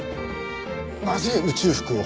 なぜ宇宙服を？